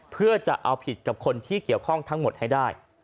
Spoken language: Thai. เพื่อจะเอาผิดกับคนที่เกี่ยวข้องทั้งหมดให้ได้